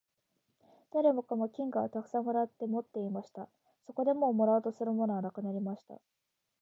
誰もかも金貨をたくさん貰って持っていました。そこでもう貰おうとするものはなくなりました。